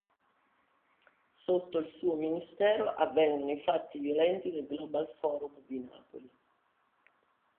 Sotto il suo ministero avvengono i fatti violenti del Global Forum di Napoli.